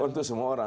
untuk semua orang